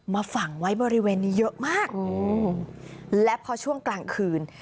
ฝังไว้บริเวณนี้เยอะมากอืมและพอช่วงกลางคืน